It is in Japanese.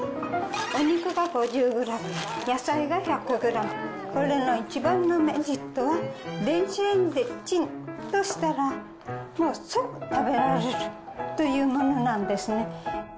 お肉が５０グラム、野菜が１００グラム、これの一番のメリットは、電子レンジでチンとしたら、もう即食べられるというものなんですね。